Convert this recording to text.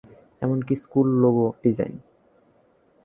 এমনকি school logo design.